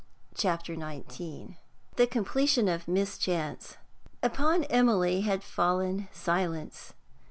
CHAPTER XIX THE COMPLETION OF MISCHANCE Upon Emily had fallen silence.